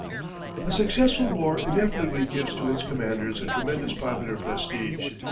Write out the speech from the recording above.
A successful war inevitably gives to its commanders a tremendous popular prestige.